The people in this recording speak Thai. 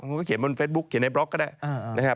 คุณก็เขียนบนเฟซบุ๊คเขียนในบล็อกก็ได้นะครับ